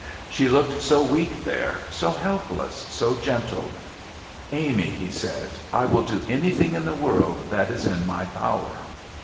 She looked so weak there, so helpless, so gentle. "Amy," he said, "I will do anything in the world that is in my power."